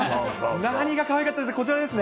何がかわいかったか、こちらですね。